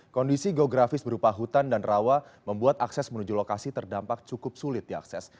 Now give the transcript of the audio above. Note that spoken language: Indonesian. kondisi geografis berupa hutan dan rawa membuat akses menuju lokasi terdampak cukup sulit diakses